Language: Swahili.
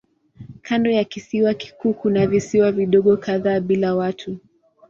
Kando ya kisiwa kikuu kuna visiwa vidogo kadhaa bila watu.